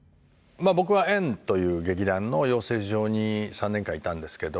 まあ僕は「円」という劇団の養成所に３年間いたんですけど。